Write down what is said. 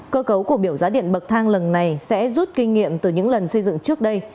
cơ cấu của biểu giá điện bậc thang lần này sẽ rút kinh nghiệm từ những lần xây dựng trước đây